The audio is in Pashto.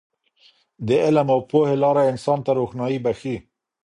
د علم او پوهې لاره انسان ته روښنايي بښي.